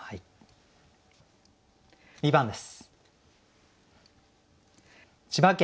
２番です。